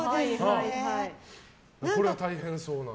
これは大変そうな。